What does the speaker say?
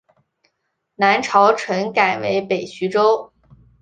南朝陈改为北徐州。